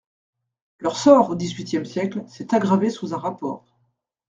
Leur sort, au XVIIIe siècle, s'est aggravé sous un rapport.